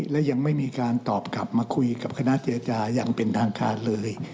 และยังไม่มีการตอบกลับมาคุยกับคณะเจรจาอย่างเป็นทางการเลย